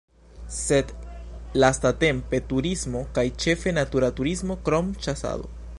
Sed lastatempe turismo kaj ĉefe natura turismo, krom ĉasado.